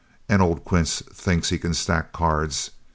And old Quince thinks he can stack cards.